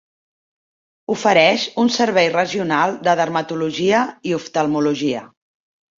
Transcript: Ofereix un servei regional de dermatologia i oftalmologia.